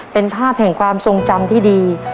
เป็นภาพแห่งความทรงจำที่ดี